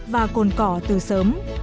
và cồn cỏ từ sớm